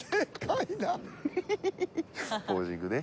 ポージングね